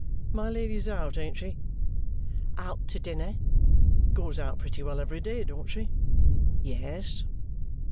My Lady's out, ain't she?" "Out to dinner." "Goes out pretty well every day, don't she?" "Yes."